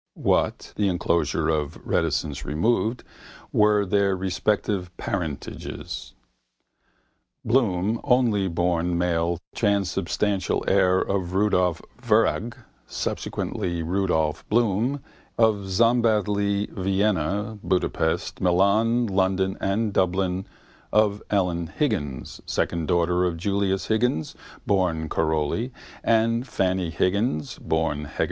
What, the enclosures of reticence removed, were their respective parentages? Bloom, only born male transubstantial heir of Rudolf Virag (subsequently Rudolph Bloom) of Szombathely, Vienna, Budapest, Milan, London and Dublin and of Ellen Higgins, second daughter of Julius Higgins (born Karoly) and Fanny Higgins (born Hegarty).